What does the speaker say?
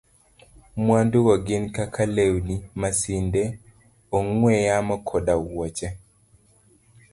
Mwandugo gin kaka lewni, masinde, ong'we yamo, koda wuoche.